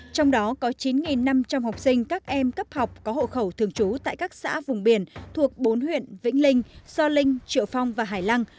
trong đó có chín năm trăm linh học sinh các em cấp học có hộ khẩu thường trú tại các xã vùng biển thuộc bốn huyện vĩnh linh do linh triệu phong và hải lăng